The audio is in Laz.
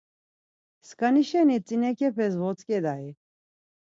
Skani şeni tzinek̆epes votzk̆edai?